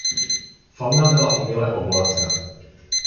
Fauna byla uměle obohacena.